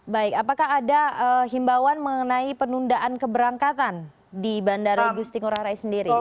baik apakah ada himbauan mengenai penundaan keberangkatan di bandara igusti ngurah rai sendiri